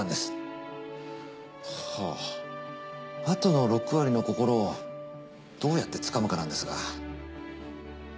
あとの６割の心をどうやってつかむかなんですが。